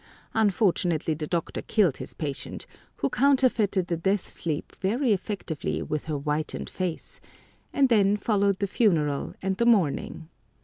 Unfortunately the doctor killed his patient, who counterfeited the death sleep very effectively with her whitened face; and then followed the funeral and the mourning.